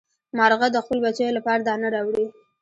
مارغه د خپلو بچیو لپاره دانه راوړي.